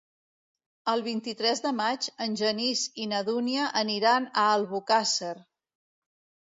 El vint-i-tres de maig en Genís i na Dúnia aniran a Albocàsser.